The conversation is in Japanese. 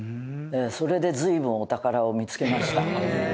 それで随分お宝を見付けました。